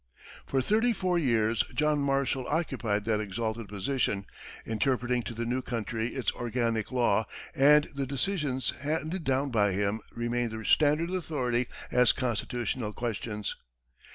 For thirty four years, John Marshall occupied that exalted position, interpreting to the new country its organic law, and the decisions handed down by him remain the standard authority on constitutional questions.